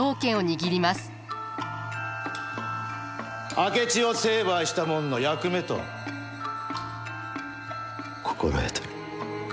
明智を成敗したもんの役目と心得とる。